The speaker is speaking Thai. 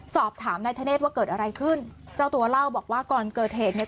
สอบถามนายธเนธว่าเกิดอะไรขึ้นเจ้าตัวเล่าบอกว่าก่อนเกิดเหตุเนี่ย